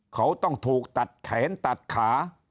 เขาต้องถูกตัดแขนตัดขา